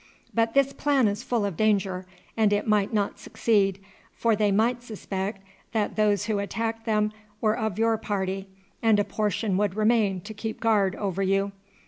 But this plan is full of danger, and it might not succeed, for they might suspect that those who attacked them were of your party, and a portion would remain to keep guard over you.